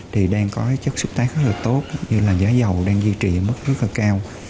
thì đang có chất xúc tác rất là tốt như là giá dầu đang duy trì ở mức rất là cao